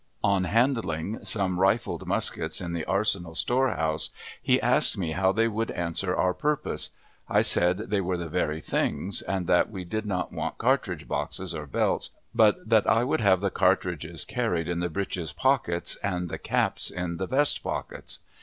On handling some rifled muskets in the arsenal storehouse he asked me how they would answer our purpose. I said they were the very things, and that we did not want cartridge boxes or belts, but that I would have the cartridges carried in the breeches pockets, and the caps in the vestpockets.